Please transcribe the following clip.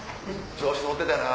調子乗ってたな。